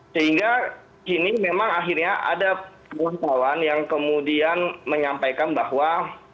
sehingga ini memang akhirnya ada wartawan yang kemudian menyampaikan bahwa